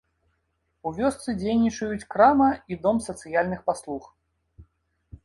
У вёсцы дзейнічаюць крама і дом сацыяльных паслуг.